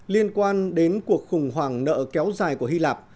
liên quan đến cuộc khủng hoảng nợ kéo dài của hy lạp